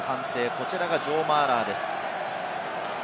こちらがジョー・マーラーです。